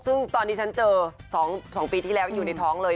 ซึ่งตอนนี้ฉันเจอ๒ปีที่แล้วอยู่ในท้องเลย